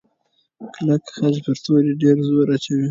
کلک خج پر توري ډېر زور اچوي.